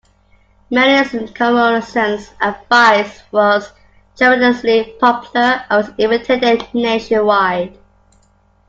Manning's commonsense advice was tremendously popular and was imitated nationwide.